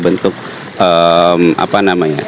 bentuk apa namanya